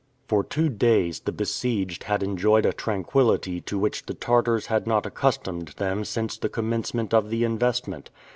For two days the besieged had enjoyed a tranquillity to which the Tartars had not accustomed them since the commencement of the investment.